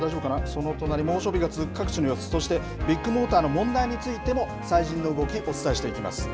その隣、猛暑日が続く各地の様子、そしてビッグモーターの問題についても、最新の動き、お伝えしていきます。